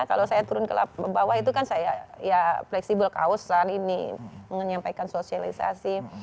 kalau saya turun ke bawah itu kan saya ya fleksibel kaosan ini menyampaikan sosialisasi